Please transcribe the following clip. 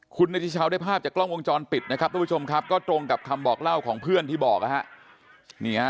คุณนิธิชาวได้ภาพจากกล้องวงจรปิดนะครับทุกผู้ชมครับก็ตรงกับคำบอกเล่าของเพื่อนที่บอกนะฮะ